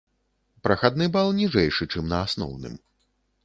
Прахадны бал ніжэйшы, чым на асноўным.